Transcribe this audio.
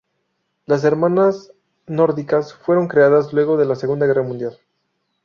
Las "hermanas nórdicas" fueron creadas luego de la Segunda Guerra Mundial.